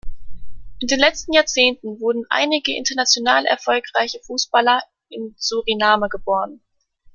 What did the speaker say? In den letzten Jahrzehnten wurden einige international erfolgreiche Fußballer in Suriname geboren.